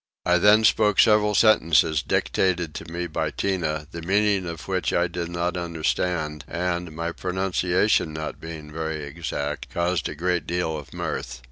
I then spoke several sentences dictated to me by Tinah, the meaning of which I did not understand and, my pronunciation not being very exact, caused a great deal of mirth.